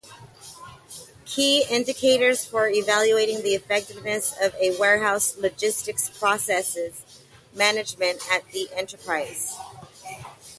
Key indicators for evaluating the effectiveness of warehouse logistics processes management at the enterprise.